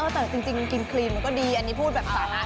แต่จริงกินครีมมันก็ดีอันนี้พูดแบบสานะ